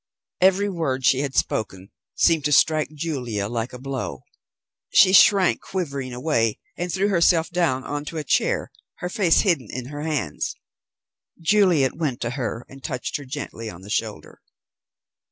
Every word she had spoken seemed to strike Julia like a blow. She shrank quivering away, and threw herself down on to a chair, her face hidden in her hands. Juliet went to her and touched her gently on the shoulder.